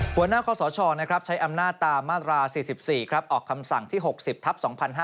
ข้อสชใช้อำนาจตามมาตรา๔๔ออกคำสั่งที่๖๐ทัพ๒๕๕๙